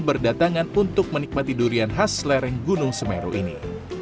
berdatangan untuk menikmati durian khas lereng gunung semeru ini